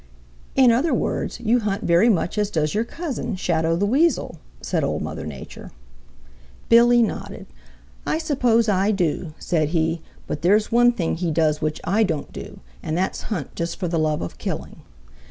"In other words, you hunt very much as does your cousin, Shadow the Weasel," said Old Mother Nature. Billy nodded. "I suppose I do," said he, "but there's one thing he does which I don't do and that's hunt just for the love of killing.